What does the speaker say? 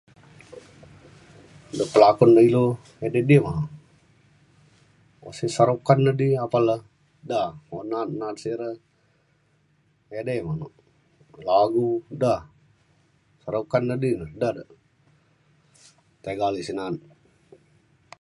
de pelakon ilu edi di. [unintelligible] o sek Shah Rukh Khan edi apan le da na’at na’at si re edei [unintelligible] lagu da Shah Rukh Khan edi ne da de tiga ale sik na’at.